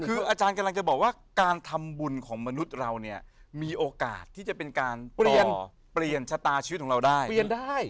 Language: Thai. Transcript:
คืออาจารย์กำลังจะบอกว่าการทำบุญของมนุษย์เราเนี่ยมีโอกาสที่จะเป็นการเปลี่ยนเปลี่ยนชะตาชีวิตของเราได้เปลี่ยนได้